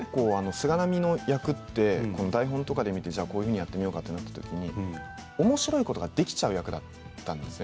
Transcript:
菅波の役というのは台本で見るとこういうふうにやってみようかというふうになったときにおもしろいことが出てしまう役だったんですね